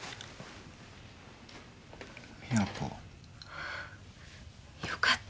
あぁよかった。